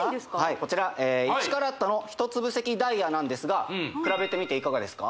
こちら１カラットの一粒石ダイヤなんですが比べてみていかがですか？